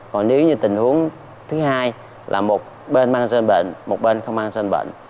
còn nếu như tình huống thứ hai là một bên mang xin bệnh một bên không mang xin bệnh